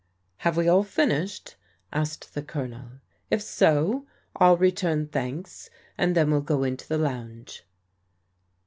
"Have we all finished?*' asked the Colonel; "if so, I'll return thanks, and then we'll go into the lounge."